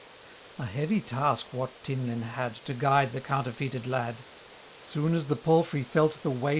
A heavy task Wat Tinlinn had. To guide the counterfeited lad. Soon as the palfrey felt the weight.